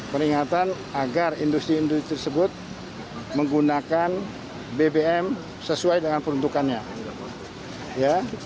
peringatan agar industri industri tersebut menggunakan bbm sesuai dengan peruntukannya